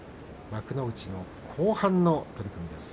幕内の後半の取組です。